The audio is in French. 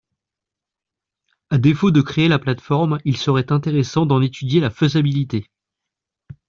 À défaut de créer la plateforme, il serait intéressant d’en étudier la faisabilité.